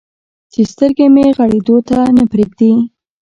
چې سترګې مې غړېدو ته نه پرېږدي.